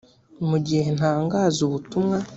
mu gihe ntangaza ubutumwa